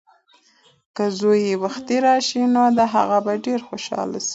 که زوی یې وختي راشي نو هغه به ډېره خوشحاله شي.